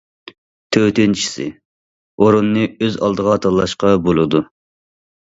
تۆتىنچىسى: ئورۇننى ئۆز ئالدىغا تاللاشقا بولىدۇ.